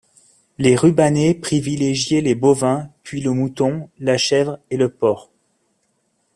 Les rubanés privilégiaient les bovins, puis le mouton, la chèvre et le porc.